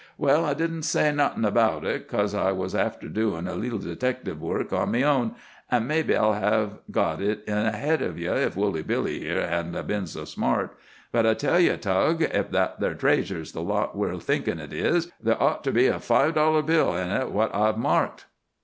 "Well, I didn't say nawthin about it, coz I was after doin' a leetle detective work on me own, an' mebbe I'd 'ave got in ahead o' ye if Woolly Billy here hadn't a' been so smart. But I tell ye, Tug, if that there traysure's the lot we're thinkin' it is, there'd ought ter be a five dollar bill in it what I've marked."